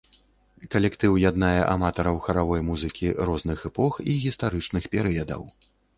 Калектыў яднае аматараў харавой музыкі розных эпох і гістарычных перыядаў.